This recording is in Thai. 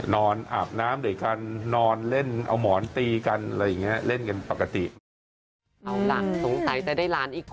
นอนอาบน้ำเดียวกันนอนเล่นเอาหมอนตีกันอะไรอย่างนี้